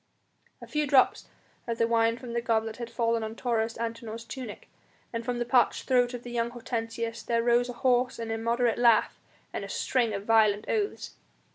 A few drops of the wine from the goblet had fallen on Taurus Antinor's tunic, and from the parched throat of young Hortensius there rose a hoarse and immoderate laugh and a string of violent oaths.